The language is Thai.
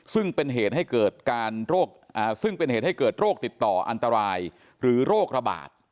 ซึ่งเป็นเหตุให้เกิดโรคติดต่ออันตรายหรือโรคระบาด